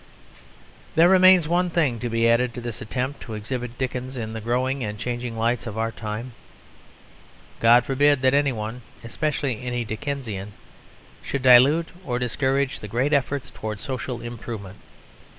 There remains one thing to be added to this attempt to exhibit Dickens in the growing and changing lights of our time. God forbid that any one (especially any Dickensian) should dilute or discourage the great efforts towards social improvement.